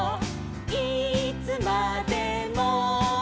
いつまでも」